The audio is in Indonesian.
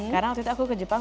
karena waktu itu aku ke jepang